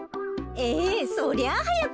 ええそりゃあはやく